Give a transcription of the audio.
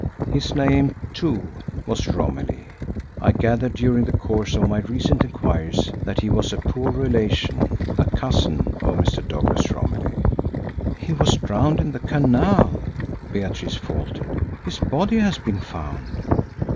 His name, too, was Romilly. I gathered, during the course of my recent enquiries, that he was a poor relation, a cousin of Mr. Douglas Romilly." "He was drowned in the canal," Beatrice faltered. "His body has been found."